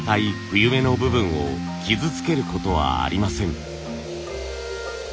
冬目の部分を傷つけることはありません。